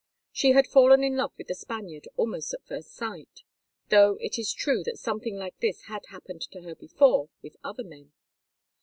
She had fallen in love with the Spaniard almost at first sight, though it is true that something like this had happened to her before with other men.